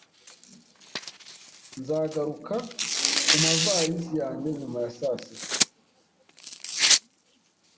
Nzagaruka kumavalisi yanjye nyuma ya saa sita